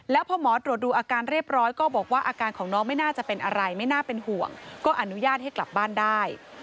แล้วพอหมอตรวจดูอาการเรียบร้อยก็บอกว่าอาการของน้องไม่น่าจะเป็นอะไรไม่น่าเป็นห่วงก็อนุญาตให้กลับบ้านได้